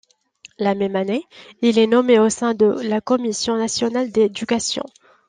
La même année, il est nommé au sein de la Commission nationale d'éducation.